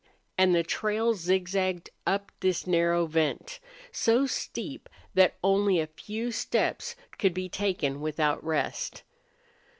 And the trail zigzagged up this narrow vent, so steep that only a few steps could be taken without rest.